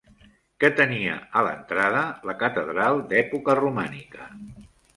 Què tenia a l'entrada la catedral d'època romànica?